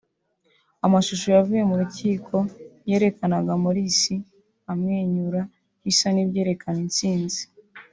Amashusho yavuye mu rukiko yerekanaga Morsi amwenyura bisa n’ibyerekana intsinzi